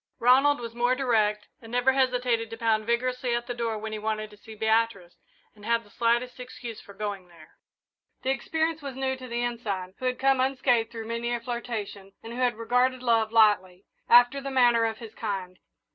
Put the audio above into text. Ronald was more direct and never hesitated to pound vigorously at the door when he wanted to see Beatrice and had the slightest excuse for going there. The experience was new to the Ensign, who had come unscathed through many a flirtation, and who had regarded love lightly, after the manner of his kind.